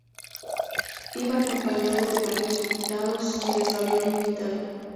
Iba acompañado de varios diputados, quienes lo habían invitado.